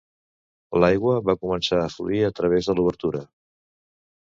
L'aigua va començar a fluir a través de l'obertura.